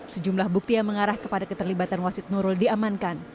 sejumlah bukti yang mengarah kepada keterlibatan wasid nurul diamankan